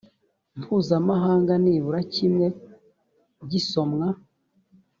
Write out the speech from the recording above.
mpuzamahanga nibura kimwe gisomwa